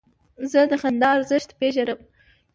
زه د خندا ارزښت پېژنم.